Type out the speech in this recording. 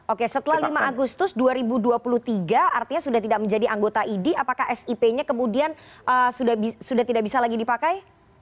oke setelah lima agustus dua ribu dua puluh tiga artinya sudah tidak menjadi anggota idi apakah sip nya kemudian sudah tidak bisa lagi dipakai